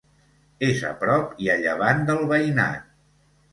És a prop i a llevant del Veïnat.